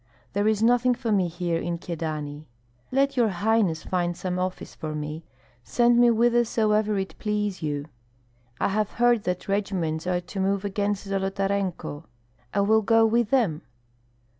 There is nothing for me here in Kyedani. Let your highness find some office for me, send me whithersoever it please you. I have heard that regiments are to move against Zolotarenko; I will go with them."